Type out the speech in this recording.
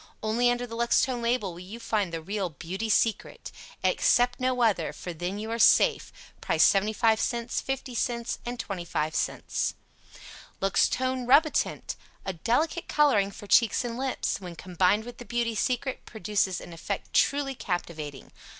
ONLY under the Luxtone label will you find the REAL "Beauty Secret." Accept NO other, for THEN YOU ARE SAFE, Price 75c, 50c, 25c. LUXTONE RUBITINT. A delicate coloring for cheeks and lips; when combined with the "Beauty Secret," produces an effect truly captivating.